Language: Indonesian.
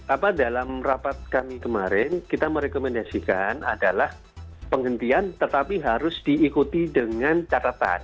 apa dalam rapat kami kemarin kita merekomendasikan adalah penghentian tetapi harus diikuti dengan catatan